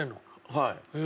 はい。